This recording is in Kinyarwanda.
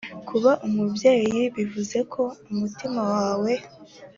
kuba umubyeyi bivuze ko umutima wawe